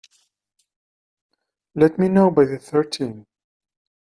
Let me know by the thirteenth.